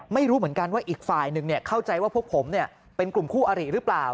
ไม่รู้เหมือนกันว่าอีกฝ่ายหนึ่งเข้าใจว่าพวกผมเป็นกลุ่มคู่อริหรือเปล่า